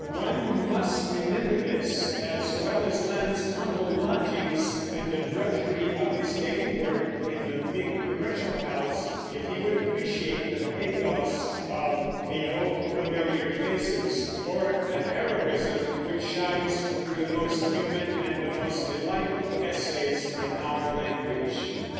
One must remember this, as well as Lamb's humble lodgings and the drudgery of his daily work in the big commercial house, if he would appreciate the pathos of "The Old Familiar Faces," or the heroism which shines through the most human and the most delightful essays in our language.